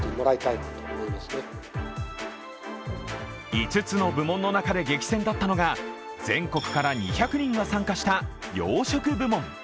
５つの部門の中で激戦だったのが全国から２００人が参加した洋食部門。